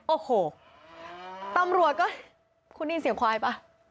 โอ้โหตำรวจก็คุณได้ยินเสียงควายป่ะ